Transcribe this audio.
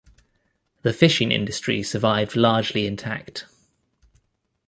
The fishing industry survived largely intact.